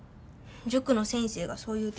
塾の先生がそう言うてた。